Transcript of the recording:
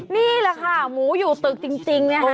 นี่แหละค่ะหมูอยู่ตึกจริงนะคะ